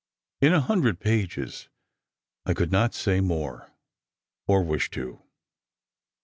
In a hundred pages I could not say more, or wish to.